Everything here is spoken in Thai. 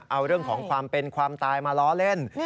เอาเรื่องของความเป็นความตายมาล้อเล่น